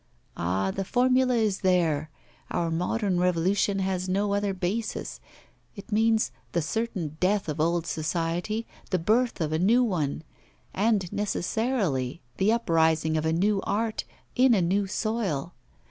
Ah, the formula is there, our modern revolution has no other basis; it means the certain death of old society, the birth of a new one, and necessarily the upspringing of a new art in a new soil.